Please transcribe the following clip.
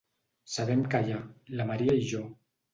Sabem callar, la Maria i jo.